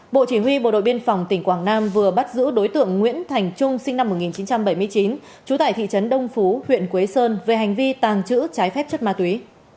bộ chỉ huy bộ đội biên phòng tỉnh quảng nam vừa bắt giữ đối tượng nguyễn thành trung sinh năm một nghìn chín trăm bảy mươi chín trú tại thị trấn đông phú huyện quế sơn về hành vi tàng trữ trái phép chất ma túy